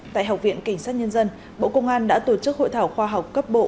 tại học viện cảnh sát nhân dân bộ công an đã tổ chức hội thảo khoa học cấp bộ